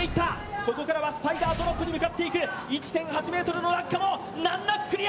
ここからはスパイダードロップに向かっていく、１．８ｍの落下も難なくクリア。